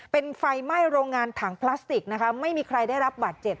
เป็นไฟไหม้โรงงานถังพลาสติกนะคะไม่มีใครได้รับบาดเจ็บ